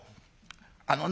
あのね